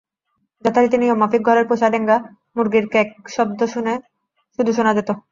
যথারীতি নিয়ম মাফিক ঘরের পোষা ডেংগা মুরগির ক্যাঁক শব্দ শুধু শোনা যেত।